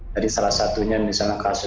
jadi salah satunya misalnya kasus tersebut